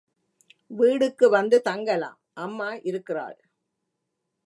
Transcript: வீடுக்கு வந்து தங்கலாம் அம்மா இருக்கிறாள்.